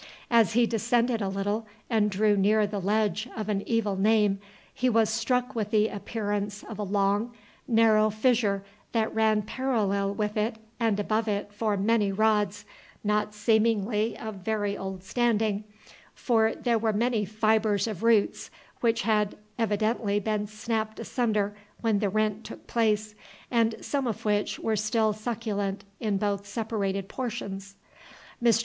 As he descended a little and drew near the ledge of evil name, he was struck with the appearance of a long narrow fissure that ran parallel with it and above it for many rods, not seemingly of very old standing, for there were many fibres of roots which had evidently been snapped asunder when the rent took place, and some of which were still succulent in both separated portions. Mr.